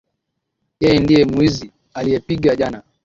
Yeye ndiye mwizi aliyepigwa jana.